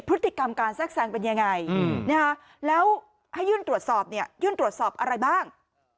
พฤติกรรมการแทรกแทรงเป็นยังไงแล้วให้ยื่นตรวจสอบเนี่ยยื่นตรวจสอบอะไรบ้าง